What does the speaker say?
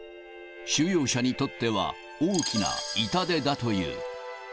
収容者にとっては大きな痛手だという。